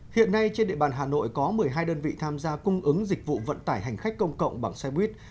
hiện nay trên địa bàn hà nội có một mươi hai đơn vị tham gia cung ứng dịch vụ vận tải hành khách công cộng bằng xe buýt